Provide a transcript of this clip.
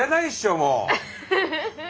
もう。